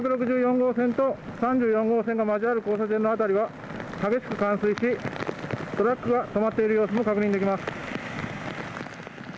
国道３４号線が交わる交差点の辺りは激しく冠水しトラックが止まっている様子も確認できます。